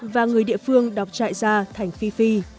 và người địa phương đọc trại ra thành phi phi